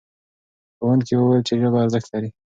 ښوونکي وویل چې ژبه ارزښت لري.